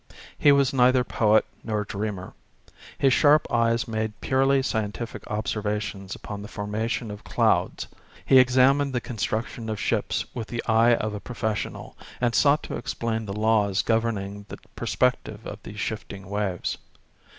He was neither poet nor dreamer. His sharp eyes made purely scientific observations upon the formation of clouds, he examined the construction of ships with the eye of a professional, and sought to explain the laws govern ing the perspective of the shifting waves.